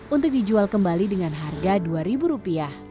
untuk dijual kembali dengan harga rp dua